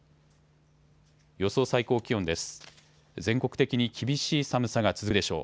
予想最高気温です。